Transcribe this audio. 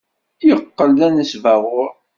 Yeqqel d anesbaɣur.